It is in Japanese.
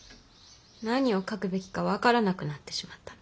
何を書くべきか分からなくなってしまったの。